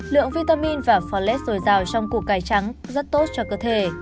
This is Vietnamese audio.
lượng vitamin và folate sồi dào trong củ cải trắng rất tốt cho cơ thể